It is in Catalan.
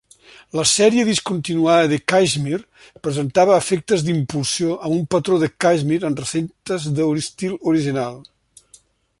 La sèrie discontinuada de caixmir presentava efectes d'impulsió amb un patró de caixmir en recintes d'estil original.